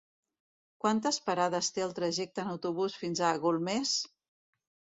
Quantes parades té el trajecte en autobús fins a Golmés?